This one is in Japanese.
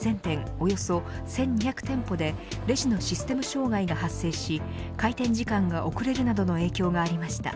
およそ１２００店舗でレジのシステム障害が発生し開店時間が遅れるなどの影響がありました。